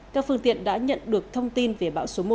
các phương tiện đã nhận được thông tin về bão số một